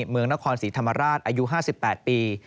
เมืองนครศรีธรรมราชอายุ๕๘ปี